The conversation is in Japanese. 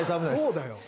そうだよ。